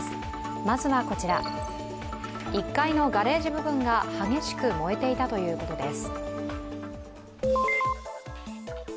１階のガレージ部分が激しく燃えていたということです。